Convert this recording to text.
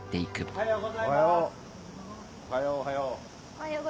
おはようおはよう。